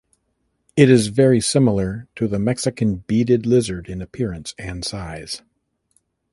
It is very similar to the Mexican beaded lizard in appearance and size.